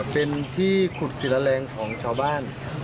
เป็นที่ขุดศิลแรงของชาวบ้าน